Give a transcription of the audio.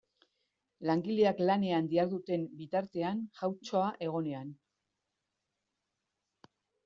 Langileak lanean diharduten bitartean jauntxoa egonean.